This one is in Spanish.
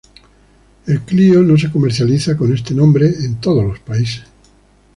El Clio no se comercializa con este nombre en todos los países.